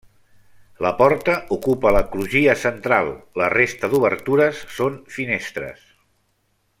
La porta ocupa la crugia central, la resta d'obertures són finestres.